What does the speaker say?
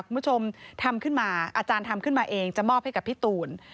คุณผู้ชมทำขึ้นมาอาจารย์ทำขึ้นมาเองจะมอบให้กับพี่ตูน